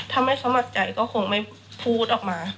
ถ้าไม่สมัครใจก็คงไม่พูดออกมา